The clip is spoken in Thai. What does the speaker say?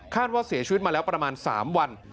ว่าเสียชีวิตมาแล้วประมาณ๓วัน